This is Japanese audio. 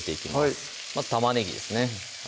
はいまず玉ねぎですね